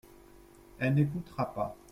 Elle n'écoutera pas.